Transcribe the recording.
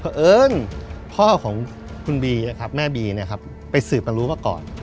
เพราะเอิญพ่อของคุณบีนะครับแม่บีเนี่ยครับไปสืบมารู้มาก่อน